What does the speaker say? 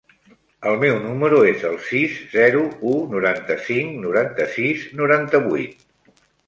El meu número es el sis, zero, u, noranta-cinc, noranta-sis, noranta-vuit.